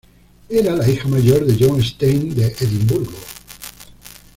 Era la hija mayor de John Stein de Edimburgo.